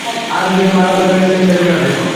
আর যে মারা যাবে, সে হেরে যাবে।